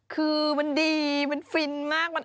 คือมันดีมันฟินมาก